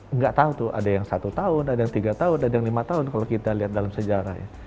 enggak tahu tuh ada yang satu tahun ada yang tiga tahun ada yang lima tahun kalau kita lihat dalam sejarah ya